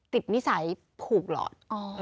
นิสัยผูกหลอด